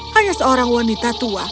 hanya seorang wanita tua